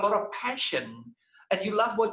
dan anda suka apa yang anda lakukan